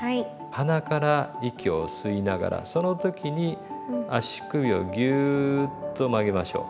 鼻から息を吸いながらその時に足首をギューッと曲げましょう。